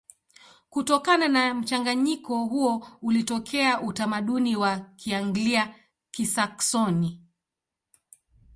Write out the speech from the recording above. Kutokana na mchanganyiko huo ulitokea utamaduni wa Kianglia-Kisaksoni.